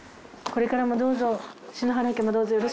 これからもどうぞ。